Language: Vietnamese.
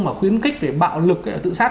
mà khuyến khích về bạo lực tự xác